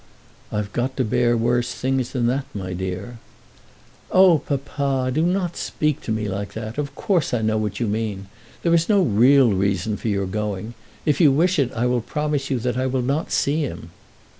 "I've got to bear worse things than that, my dear." "Oh, papa, do not speak to me like that! Of course I know what you mean. There is no real reason for your going. If you wish it I will promise you that I will not see him."